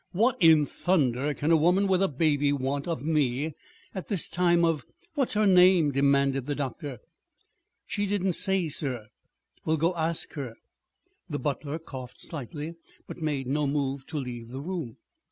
"What in thunder can a woman with a baby want of me at this time of What's her name?" demanded the doctor. "She didn't say, sir." "Well, go ask her." The butler coughed slightly, but made no move to leave the room.